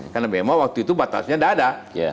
karena memang waktu itu batasnya nggak ada